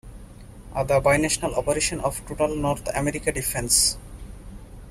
The bi-national operation of total North America Defense.